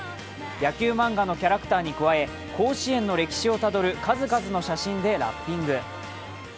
野球漫画のキャラクターに加え、甲子園の歴史をたどる数々の写真でラッピング。